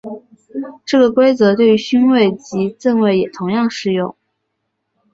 这个规则对于勋位及赠位也同样适用。